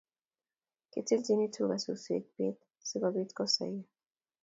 Kitilchini tuga suswek peet si kobit kosaiyo